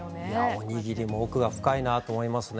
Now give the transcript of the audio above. おにぎりも奥が深いなと思いますね。